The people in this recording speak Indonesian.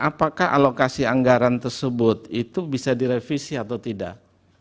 apakah alokasi anggaran tersebut itu bisa direvisi atau tidak